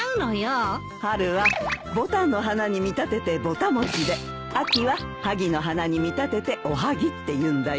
春はボタンの花に見立ててぼた餅で秋はハギの花に見立てておはぎっていうんだよ。